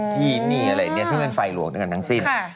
ที่นี่อะไรเนี่ยซึ่งเป็นฝ่ายหลวงดังสิ้น